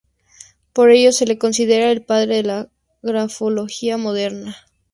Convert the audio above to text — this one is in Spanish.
Por ello, se lo considera el padre de la grafología moderna.